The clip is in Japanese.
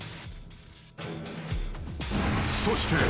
［そして］